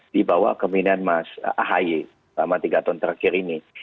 di bawah keminan mas ahaye selama tiga tahun terakhir ini